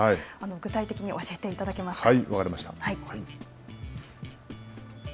具体的に教えていただけますか。